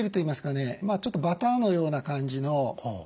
ちょっとバターのような感じの。